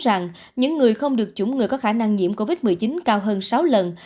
rằng những người không được chủng người có khả năng nhiễm covid một mươi chín cao hơn sáu lần